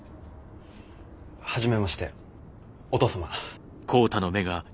初めましてお父様。